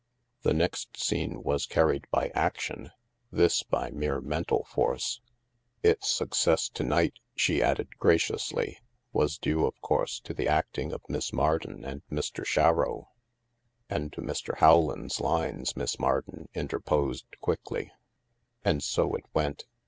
" The next scene was carried by action — this by mere mental force. Its succiess to night," she added graciously, "was due, of course, to the acting of Miss Mardon and Mr. Sharrow" — "And to Mr. Rowland's lines," Miss Mardon interposed quickly. And so it went.